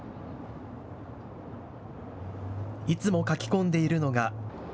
いつも書き込んでいるのが＃